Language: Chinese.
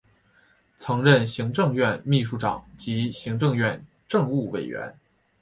曾任行政院秘书长及行政院政务委员。